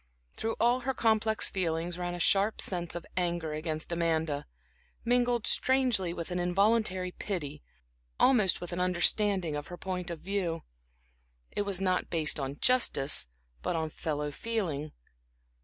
Through all her complex feelings ran a sharp sense of anger against Amanda, mingled strangely with an involuntary pity, almost with an understanding of her point of view. It was not based on justice, but on fellow feeling.